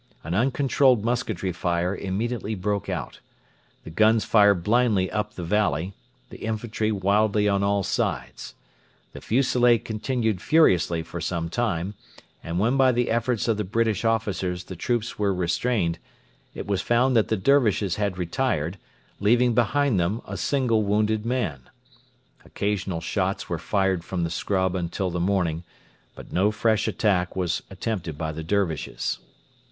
An uncontrolled musketry fire immediately broke out. The guns fired blindly up the valley; the infantry wildly on all sides. The fusillade continued furiously for some time, and when by the efforts of the British officers the troops were restrained, it was found that the Dervishes had retired, leaving behind them a single wounded man. Occasional shots were fired from the scrub until the morning, but no fresh attack was attempted by the Dervishes.